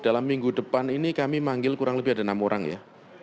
dalam minggu depan ini kami manggil kurang lebih ada enam orang ya